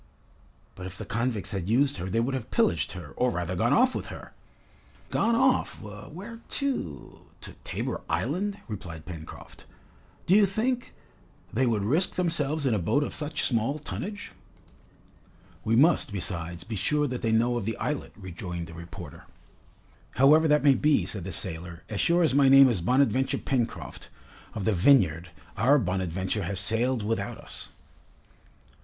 "But if the convicts had used her, they would have pillaged her, or rather gone off with her." "Gone off! where to to Tabor Island?" replied Pencroft. "Do you think, they would risk themselves in a boat of such small tonnage?" "We must, besides, be sure that they know of the islet," rejoined the reporter. "However that may be," said the sailor, "as sure as my name is Bonadventure Pencroft, of the Vineyard, our 'Bonadventure' has sailed without us!"